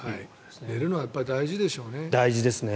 寝るのはやっぱり大事でしょうね。